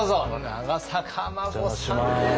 長坂真護さんです。